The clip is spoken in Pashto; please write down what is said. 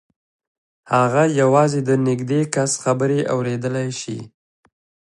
هغه یوازې د نږدې کس خبرې اورېدلای شوې